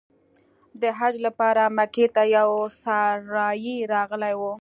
د حج لپاره مکې ته یو سارایي راغلی و.